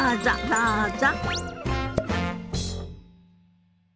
どうぞ。